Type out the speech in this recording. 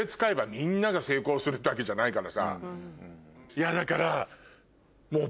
いやだからもう。